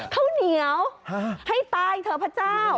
ข้าวเหนียวให้ตายเถอะพระเจ้า